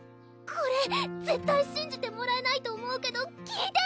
これ絶対しんじてもらえないと思うけど聞いて！